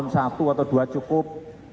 satu atau dua cukup